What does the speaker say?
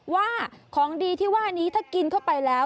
ว่าของดีที่ว่านี้ถ้ากินเข้าไปแล้ว